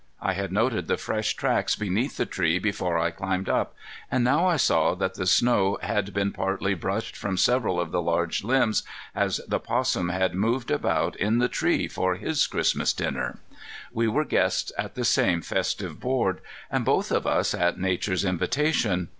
I had noted the fresh tracks beneath the tree before I climbed up, and now I saw that the snow had been partly brushed from several of the large limbs as the 'possum had moved about in the tree for his Christmas dinner. We were guests at the same festive board, and both of us at Nature's invitation.